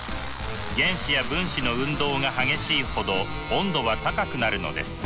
原子や分子の運動が激しいほど温度は高くなるのです。